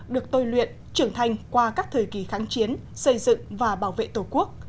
được tôi luyện trưởng thành qua các thời kỳ kháng chiến xây dựng và bảo vệ tổ quốc